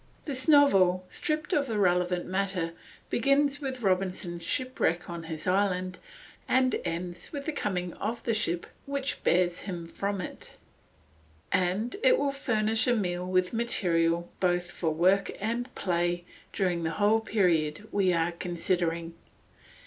This novel, stripped of irrelevant matter, begins with Robinson's shipwreck on his island, and ends with the coming of the ship which bears him from it, and it will furnish Emile with material, both for work and play, during the whole period we are considering.